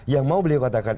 yang mau beliau katakan